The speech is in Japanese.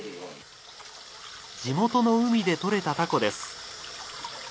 地元の海でとれたタコです。